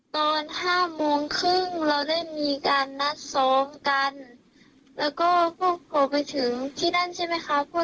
ตอน๕โมงครึ่งเราได้มีการนัดสอบกันแล้วก็พบไปถึงที่ด้านใช่ไหมคะพวก